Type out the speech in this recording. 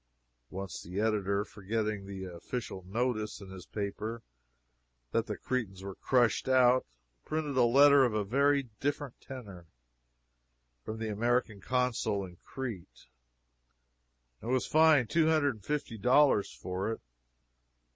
Once the editor, forgetting the official notice in his paper that the Cretans were crushed out, printed a letter of a very different tenor, from the American Consul in Crete, and was fined two hundred and fifty dollars for it.